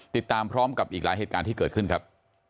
ติดตามพร้อมกับอีกหลายเหตุการณ์ที่เกิดขึ้นครับ